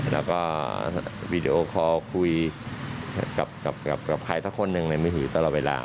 แล้วก็วีดีโอคอลคุยกับใครสักคนหนึ่งในมือถือตลอดเวลา